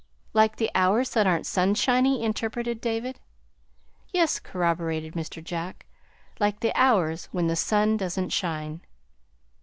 "Like the hours that aren't sunshiny," interpreted David. "Yes," corroborated Mr. Jack. "Like the hours when the sun does n't shine."